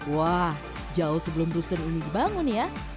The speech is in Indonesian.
wah jauh sebelum rusun ini dibangun ya